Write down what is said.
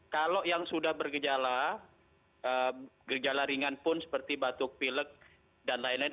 kalau yang sudah bergejala gejala ringan pun seperti batuk pilek dan lain lain